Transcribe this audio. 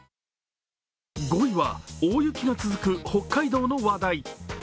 ５位は大雪が続く北海道の話題。